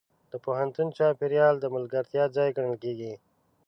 د پوهنتون چاپېریال د ملګرتیا ځای ګڼل کېږي.